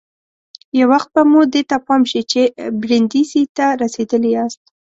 یو وخت به مو دې ته پام شي چې برېنډېسي ته رسېدلي یاست.